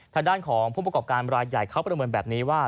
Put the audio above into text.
ทางด้านของผู้ประกอบการรายใหญ่เขาประเมินแบบนี้ว่า